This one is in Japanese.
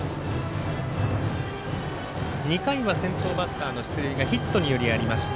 ２回は先頭バッターの出塁がヒットによりありました。